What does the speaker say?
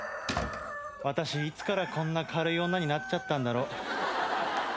私いつからこんな軽い女になっちゃったんだろ。